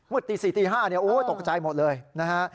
มืดตีสี่ตีห้าตกใจหมดเลยนะฮะ